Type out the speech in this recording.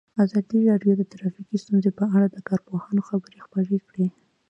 ازادي راډیو د ټرافیکي ستونزې په اړه د کارپوهانو خبرې خپرې کړي.